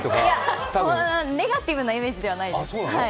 いや、ネガティブなイメージではないです。